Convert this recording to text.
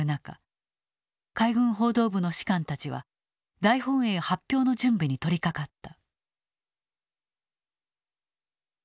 海軍報道部の士官たちは大本営発表の準備に取りかかった。